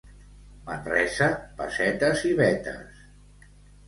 Manresa, pessetes i vetes.